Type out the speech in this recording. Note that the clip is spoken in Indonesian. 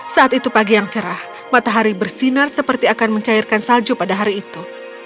saat itu pagi yang cerah matahari bersinar seperti akan mencairkan salju pada hari itu